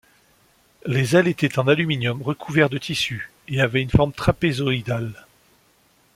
Les ailes étaient en aluminium recouvert de tissu et avaient une forme trapézoïdale.